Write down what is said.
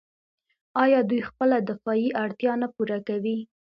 آیا دوی خپله دفاعي اړتیا نه پوره کوي؟